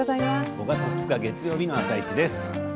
５月２日月曜日の「あさイチ」です。